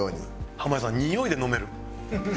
濱家さんにおいで飲める。